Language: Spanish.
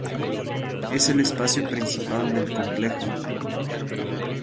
Es el espacio principal del complejo.